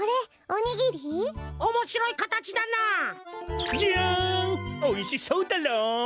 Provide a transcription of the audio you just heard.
おいしそうダロ？